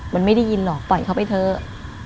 มันไม่ได้ยินหรอกปล่อยเขาไปเถอะ